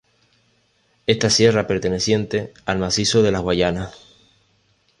Esta sierra perteneciente al macizo de las Guayanas.